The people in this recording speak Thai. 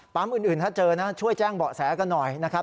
อื่นถ้าเจอนะช่วยแจ้งเบาะแสกันหน่อยนะครับ